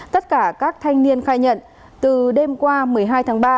tất cả các thanh niên khai nhận từ đêm qua một mươi hai tháng ba